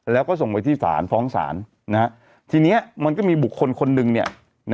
แล้วก็ส่งไว้ที่ศาลฟ้องศาลทีนี้มันก็มีบุคคลคนหนึ่งเนี่ย